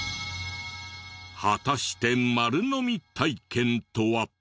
果たして丸のみ体験とは？